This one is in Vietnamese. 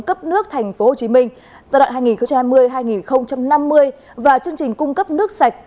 cấp nước tp hcm giai đoạn hai nghìn hai mươi hai nghìn năm mươi và chương trình cung cấp nước sạch